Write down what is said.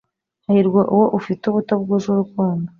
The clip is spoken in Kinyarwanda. hahirwa uwo ufite ubuto bwuje urukundo